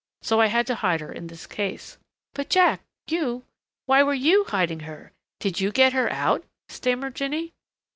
so I had to hide her in this case." "But Jack, you why were you hiding her ? Did you get her out?" stammered Jinny.